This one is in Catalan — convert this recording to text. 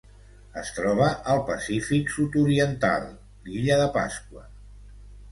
Es troba al Pacífic sud-oriental: l'Illa de Pasqua.